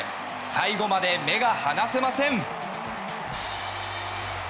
最後まで目が離せません。